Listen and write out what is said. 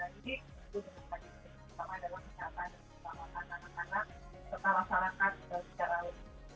apakah ada kesempatan yang bisa dilakukan anak anak setelah masyarakat sudah bicara lalu